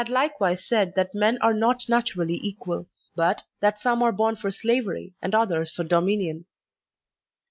6 THE SOCIAL CONTRACT likewise said that men are not naturally equal, but that some are bom for slavery and others for dominion.